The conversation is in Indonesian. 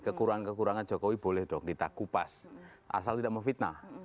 kekurangan kekurangan jokowi boleh dong ditakupas asal tidak memfitnah